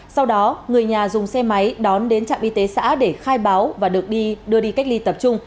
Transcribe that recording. sau đó người nhà dùng xe máy đón đến trạm y tế xã để khai báo và được đưa đi cách ly tập trung